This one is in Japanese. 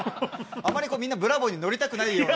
あまりみんな、ブラボーに乗りたくないような。